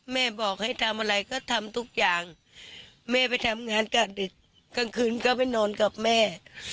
แม่บอกให้ทำอะไรก็ทำทุกอย่างแม่ไปทำงานกะดึกกลางคืนก็ไปนอนกับแม่